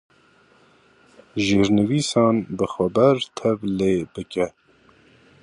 Jêrnivîsan bixweber tevlî bike.